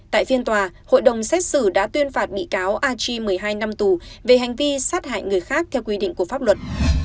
tại phiên tòa hội đồng xét xử đã tuyên phạt bị cáo a chi một mươi hai năm tù về hành vi sát hại người khác theo quy định của pháp luật